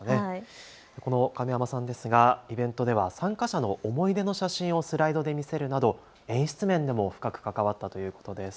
亀山さんですがイベントでは参加者の思い出の写真をスライドで見せるなど演出面でも深く関わったということです。